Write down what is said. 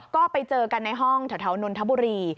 ก็ไปเจอกันในห้องแถวนนทบุรี